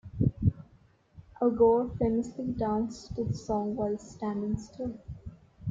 Al Gore famously danced to the song while standing still.